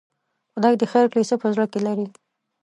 خدای دې خیر کړي، څه په زړه کې لري؟